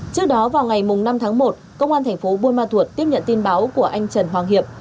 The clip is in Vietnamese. trước đó vào ngày năm tháng một công an thành phố buôn ma thuột tiếp nhận tin báo của anh trần hoàng hiệp